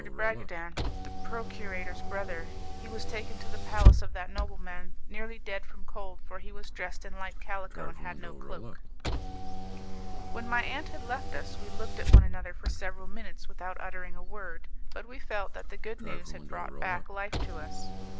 de Bragadin, the procurator's brother. He was taken to the palace of that nobleman nearly dead from cold, for he was dressed in light calico, and had no cloak.' "When my aunt had left us, we looked at one another for several minutes without uttering a word, but we felt that the good news had brought back life to us.